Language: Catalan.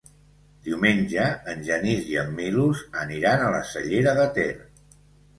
Diumenge en Genís i en Milos aniran a la Cellera de Ter.